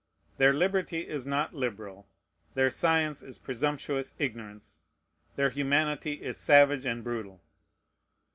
Their liberty is not liberal. Their science is presumptuous ignorance. Their humanity is savage and brutal.